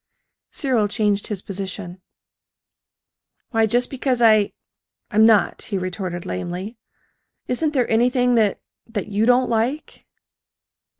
Cyril changed his position. "Why, just because I I'm not," he retorted lamely. "Isn't there anything that that you don't like?"